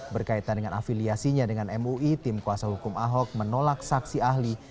berkaitan dengan afiliasinya dengan mui tim kuasa hukum ahok menolak saksi ahli